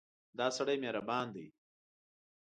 دا سړی مهربان دی.